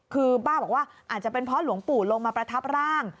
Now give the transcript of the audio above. คือป้าบอกว่าอาจจะเป็นเพราะหลวงปู่ลงมาประทับร่าง